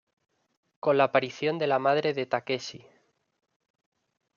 Con la aparición de la madre de Takeshi.